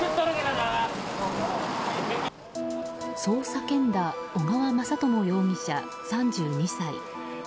そう叫んだ小川雅朝容疑者、３２歳。